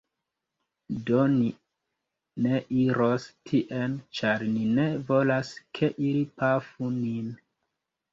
Do ni ne iros tien, ĉar ni ne volas ke ili pafu nin.